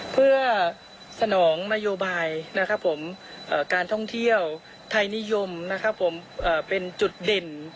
เพื่อสนองนโยบายการท่องเที่ยวไทยนิยมเป็นจุดเด่น